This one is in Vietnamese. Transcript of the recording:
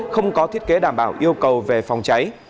không có thiết kế đảm bảo yêu cầu về phòng cháy